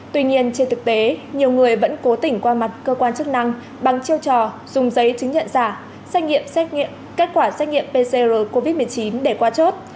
tuy nhiên trên thực tế nhiều người vẫn cố tỉnh qua mặt cơ quan chức năng bằng chiêu trò dùng giấy chứng nhận giả xét nghiệm kết quả xét nghiệm pcr covid một mươi chín để qua chốt